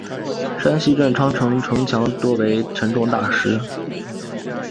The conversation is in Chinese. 山西镇长城城墙多为沉重大石。